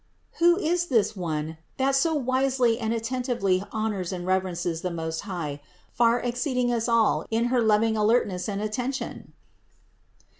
Who is this One, that so wisely and attentively honors and reverences the Most High, far exceeding us all in her loving alertness and attention?"